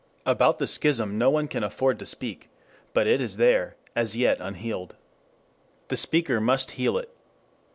About the schism no one can afford to speak. But it is there, as yet unhealed. The speaker must heal it.